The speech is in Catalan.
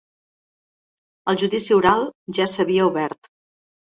El judici oral ja s’havia obert.